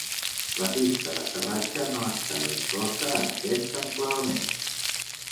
La pista d'aterratge no estava inclosa en aquest enclavament.